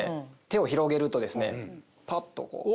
手を広げるとですねパッとこう。